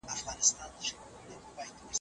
ملا غاړي كړې تازه يو څه حيران سو